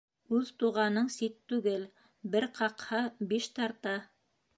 Үҙ туғаның сит түгел, бер ҡаҡһа, биш тарта.